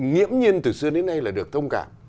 nghiễm nhiên từ xưa đến nay là được thông cảm